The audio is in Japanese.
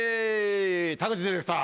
田口ディレクター。